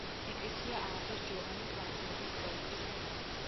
ეკლესია ააგეს ჯოვანი კვარნეგის პროექტის მიხედვით.